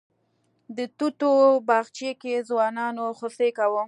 د توتو باغچې کې ځوانانو خوسی کوه.